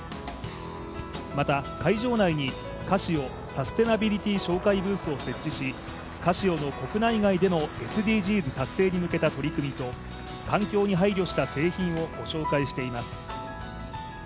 また会場内にカシオサステナビリティ紹介ブースを設置し、ＣＡＳＩＯの国内外でのＳＤＧｓ達成に向けた取り組みと環境に配慮した製品をご紹介しています。